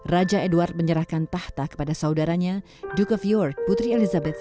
raja edward menyerahkan tahta kepada saudaranya duke of york putri elizabeth